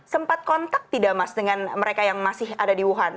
sempat kontak tidak mas dengan mereka yang masih ada di wuhan